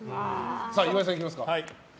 岩井さん、いきますか。